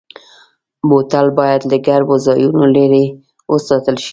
بوتل باید له ګرمو ځایونو لېرې وساتل شي.